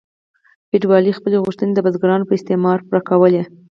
فیوډالانو خپلې غوښتنې د بزګرانو په استثمار پوره کولې.